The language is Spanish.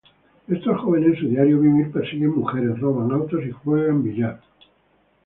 Estos jóvenes en su diario vivir persiguen mujeres, roban autos y juegan billar.